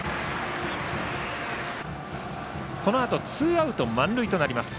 このあとツーアウト満塁となります。